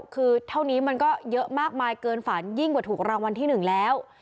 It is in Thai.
คือเท่านี้มันก็เยอะมากมายเกินฝันยิ่งกว่าถูกรางวัลที่๑แล้ว